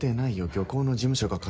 漁港の事務所が勝手に。